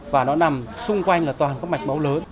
và nó nằm xung quanh là toàn có mạch máu lớn